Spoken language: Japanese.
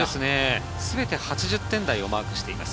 全て８０点台をマークしています。